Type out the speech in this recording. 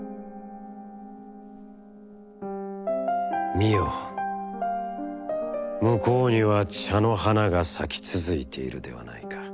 「見よ、むこうには茶の花が咲き続いているではないか。